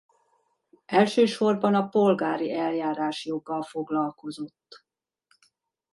Elsősorban a polgári eljárásjoggal foglalkozott.